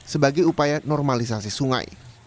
sebagai upaya normalisasi sungai